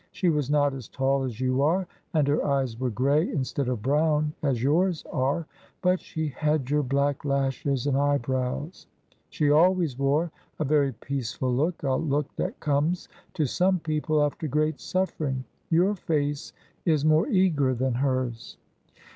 She was not as tall as you are, and her eyes were grey instead of brown, as yours are; but she had your black lashes and eyebrows. She always wore a very peaceful look, a look that comes to some people after great suffering. Your face is more eager than hers."